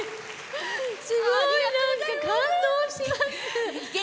すごい感動します。